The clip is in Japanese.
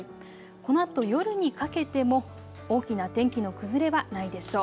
このあと夜にかけても大きな天気の崩れはないでしょう。